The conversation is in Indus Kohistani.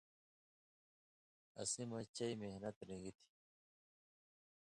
اسی مہ چئ محنت رِن٘گیۡ تھی۔